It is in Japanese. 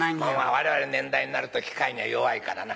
我々の年代になると機械には弱いからな。